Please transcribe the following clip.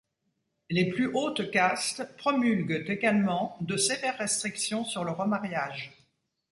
Les plus hautes castes promulguent également de sévères restrictions sur le remariage.